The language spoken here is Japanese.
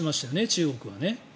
中国はね。